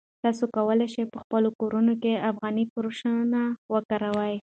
تاسي کولای شئ په خپلو کورونو کې افغاني فرشونه وکاروئ.